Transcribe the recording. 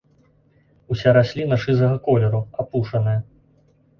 Уся расліна шызага колеру, апушаная.